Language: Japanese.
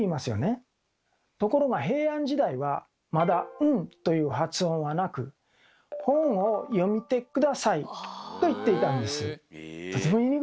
ところが平安時代はまだ「ん」という発音はなく「本を読みてください」と言っていたんです。